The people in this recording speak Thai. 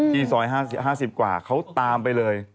ซอย๕๐กว่าเขาตามไปเลย